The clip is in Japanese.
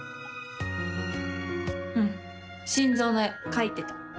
うん心臓の絵描いてた。